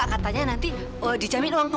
apa mereka tidak meny dispute